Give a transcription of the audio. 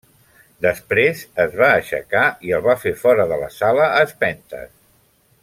Després, es va aixecar i el va fer fora de la sala a espentes.